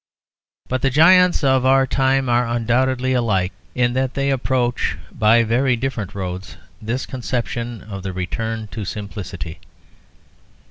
But the giants of our time are undoubtedly alike in that they approach by very different roads this conception of the return to simplicity.